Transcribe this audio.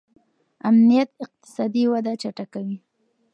امنیت اقتصادي وده چټکوي.